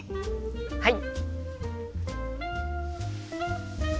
はい！